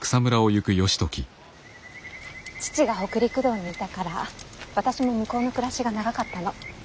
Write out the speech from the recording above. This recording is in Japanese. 父が北陸道にいたから私も向こうの暮らしが長かったの。